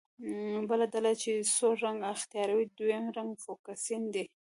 بله ډله چې سور رنګ اختیاروي دویم رنګ فوکسین دی.